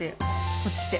こっち来て。